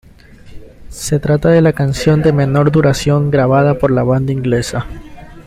Se trata de la canción de menor duración grabada por la banda inglesa.